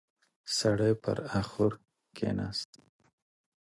سړی پر اخور کېناست.